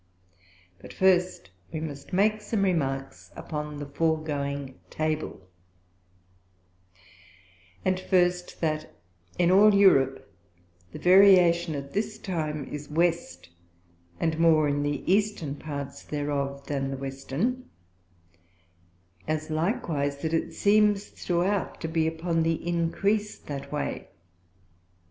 But first we must make some Remarks upon the foregoing Table: And, First, That in all Europe the Variation at this time is West, and more in the Eastern Parts thereof than the Western: As likewise, that it seems throughout to be upon the increase that way.